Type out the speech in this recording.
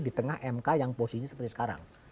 di tengah mk yang posisinya seperti sekarang